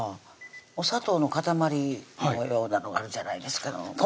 お砂糖の塊のようなのがあるじゃないですか金平糖！